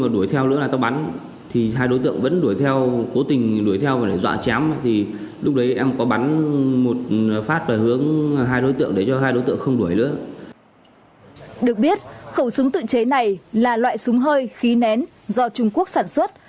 được biết khẩu súng tự chế này là loại súng hơi khí nén do trung quốc sản xuất